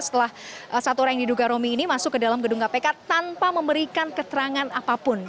setelah satu orang yang diduga romy ini masuk ke dalam gedung kpk tanpa memberikan keterangan apapun